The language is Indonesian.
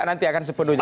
nanti akan sepenuhnya